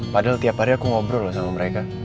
padahal tiap hari aku ngobrol loh sama mereka